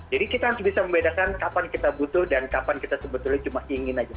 jadi kita harus bisa membedakan kapan kita butuh dan kapan kita sebetulnya cuma ingin aja